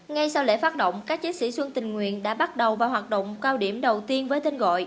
ngay sau lễ phát động các chiến sĩ xuân tình nguyện đã bắt đầu vào hoạt động cao điểm đầu tiên với tên gọi